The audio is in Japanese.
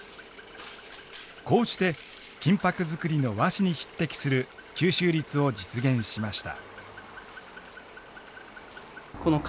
こうして金箔作りの和紙に匹敵する吸収率を実現しました。